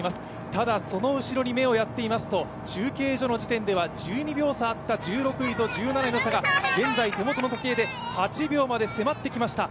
ただ、その後ろに目をやってみますと、中継所の時点では１２秒差あった１６位と１７位の差が８秒まで迫ってきました。